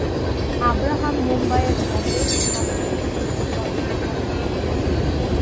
Abraham মুম্বাইয়ের Bombay Scottish স্কুলে পড়াশোনা করেন।